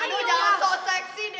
aduh jangan so seksi deh